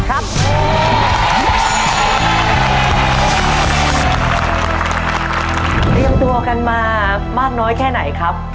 เตรียมตัวกันมามากน้อยแค่ไหนครับ